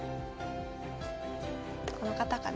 この方かな？